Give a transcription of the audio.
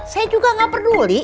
saya juga nggak peduli